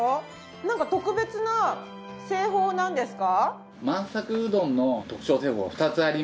なんか特別な製法なんですか？